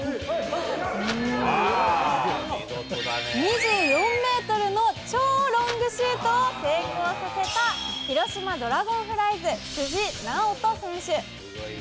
２４メートルの超ロングシュートを成功させた、広島ドラゴンフライズ、辻直人選手。